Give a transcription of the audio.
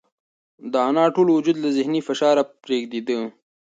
د انا ټول وجود له ذهني فشاره رېږدېده.